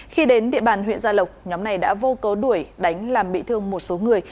khi đến địa bàn huyện gia lộc nhóm này đã vô cớ đuổi đánh làm bị thương một số người